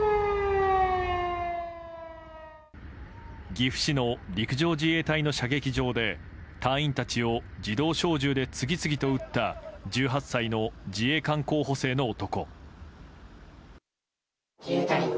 岐阜市の陸上自衛隊の射撃場で隊員たちを自動小銃で次々と撃った１８歳の自衛官候補生の男。